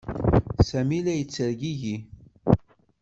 Sami la yettergigi.